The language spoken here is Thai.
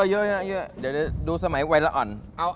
เยอะเดี๋ยวดูสมัยวัยละอ่อน